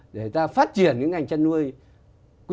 để ta phát triển cái ngành chăn nuôi